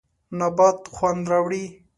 نبات خوند راوړي.